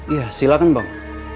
iya silahkan bang